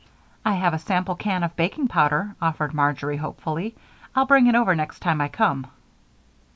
"I have a sample can of baking powder," offered Marjory, hopefully. "I'll bring it over next time I come."